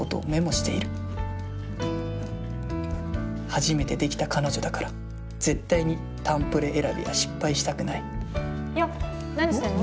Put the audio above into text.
初めて出来た彼女だから絶対に誕プレ選びは失敗したくないよっ何してんの？